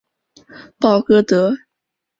鲍戈德。